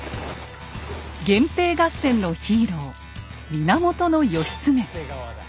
源平合戦のヒーロー源義経。